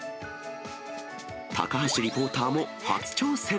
高橋リポーターも初挑戦。